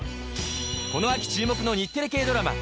この秋注目の日テレ系ドラマ